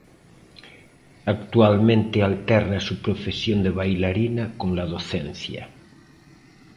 Actualmente alterna su profesión de bailarina con la docencia.